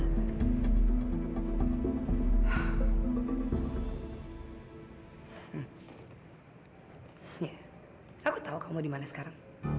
ya aku tahu kamu dimana sekarang